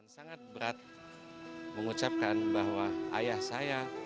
sangat berat mengucapkan bahwa ayah saya